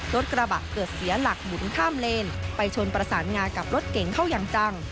รถกระบะเกิดเสียหลักหมุนข้ามเลนไปชนประสานงากับรถเก๋งเข้าอย่างจัง